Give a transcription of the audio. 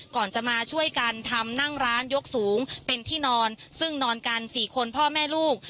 ก่อนจะมาช่วยกันทำนั่งร้านยกสูงเป็นที่นอนซึ่งนอนกันสี่คนพ่อแม่ลูก